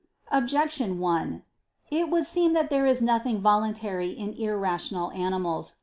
Objection 1: It would seem that there is nothing voluntary in irrational animals.